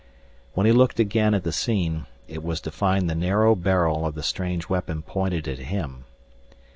When he looked again at the scene, it was to find the narrow barrel of the strange weapon pointed at him.